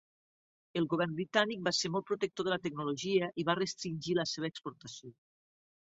El govern britànic va ser molt protector de la tecnologia i va restringir la seva exportació.